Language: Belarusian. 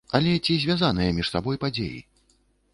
Але ці звязаныя між сабой падзеі?